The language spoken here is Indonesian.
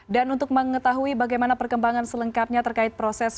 dan untuk mengetahui bagaimana perkembangan selengkapnya terkait prosesnya